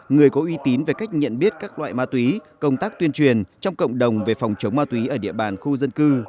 người có uy tín về cách nhận biết các loại ma túy công tác tuyên truyền trong cộng đồng về phòng chống ma túy ở địa bàn khu dân cư